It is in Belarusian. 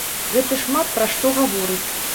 Гэта шмат пра што гаворыць.